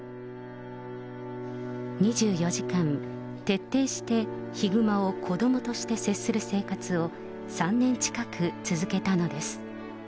２４時間、徹底してヒグマを子どもとして接する生活を、３年近く続けたのです。